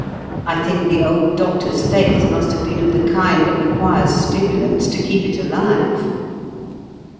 "I think the old Doctor's faith must have been of the kind that requires stimulants to keep it alive.''